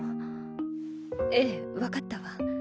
ええ分かったわ。